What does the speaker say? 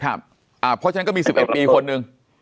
ครับอ่าเพราะฉะนั้นก็มี๑๑ปีคนหนึ่ง